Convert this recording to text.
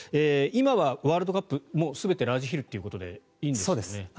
今はワールドカップ全てラージヒルということでいいんですよね。